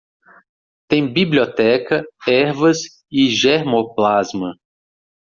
Tem biblioteca, ervas e germoplasma.